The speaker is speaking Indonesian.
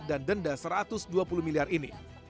dan denda satu ratus dua puluh miliar ini